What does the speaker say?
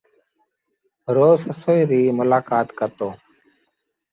روز سسئيٚ ريٚ ملآڪآت ڪرتو۔